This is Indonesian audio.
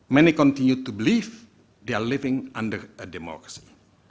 banyak orang terus mempercayai mereka hidup di bawah demokrasi